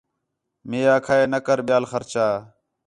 مے آکھا ہے نہ کر ٻِیال خرچہ